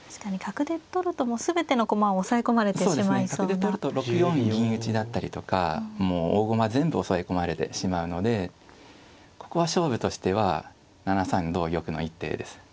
角で取ると６四銀打だったりとかもう大駒全部押さえ込まれてしまうのでここは勝負としては７三同玉の一手です。